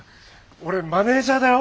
俺マネージャーだよ。